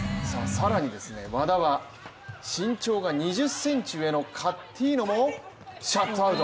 更に和田は身長が２０ｃｍ上のカッティーノもシャットアウト。